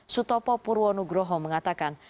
sutopo purwonugroho mengatakan